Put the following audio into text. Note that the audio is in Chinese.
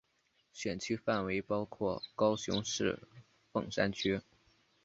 选区范围包括高雄市凤山区。